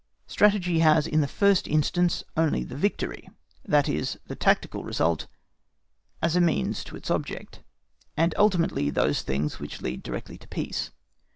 Strategy has in the first instance only the victory, that is, the tactical result, as a means to its object, and ultimately those things which lead directly to peace.